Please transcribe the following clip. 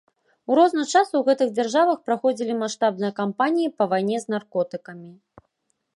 У розны час у гэтых дзяржавах праходзілі маштабныя кампаніі па вайне з наркотыкамі.